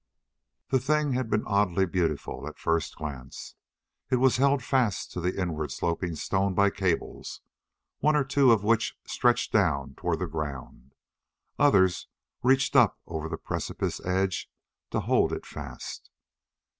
The thing had been oddly beautiful at first glance. It was held fast to the inward sloping stone by cables, one or two of which stretched down toward the ground. Others reached up over the precipice edge to hold it fast.